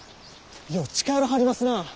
よう近寄らはりますな。